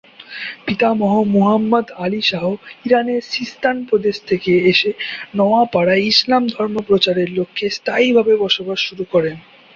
পিতামহ Muhammad Ali Shah ইরানের Sistan প্রদেশ থেকে এসে নওয়াপাড়ায় ইসলাম ধর্ম প্রচারের লক্ষ্যে স্থায়ীভাবে বসবাস শুরু করেন।